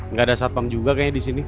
gak ada satpam juga kayaknya disini